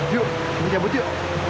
yuk kita butuh